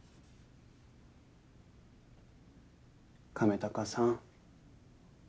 亀高さん。